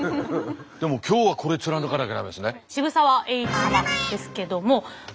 でも今日はこれ貫かなきゃ駄目ですね。